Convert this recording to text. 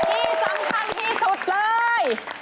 ที่สำคัญที่สุดเลย